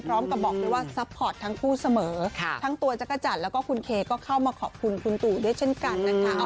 พร้อมกับบอกด้วยว่าซัพพอร์ตทั้งคู่เสมอทั้งตัวจักรจันทร์แล้วก็คุณเคก็เข้ามาขอบคุณคุณตู่ด้วยเช่นกันนะคะ